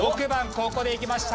ここでいきました。